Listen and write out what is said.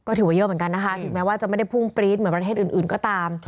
ก็ถือว่าเยอะเหมือนกันนะคะถึงแม้ว่าจะไม่ได้พุ่งปรี๊ดเหมือนประเทศอื่นก็ตาม